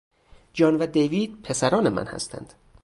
جان و دیوید پسران من هستند.